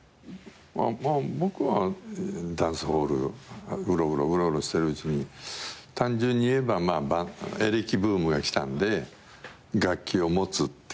僕はダンスホールうろうろしてるうちに単純にいえばエレキブームが来たんで楽器を持つっていう。